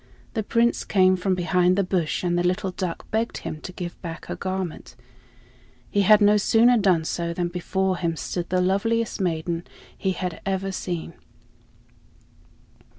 The Prince came from behind the bush and the little duck begged him to give back her garment. He had no sooner done so than before him stood the loveliest maiden he had ever seen.